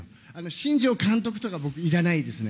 新庄監督とか、僕いらないですね。